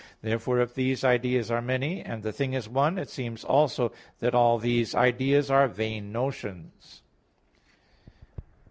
Therefore if these ideas are many, and the thing is one, it seems also that all these ideas are vain notions.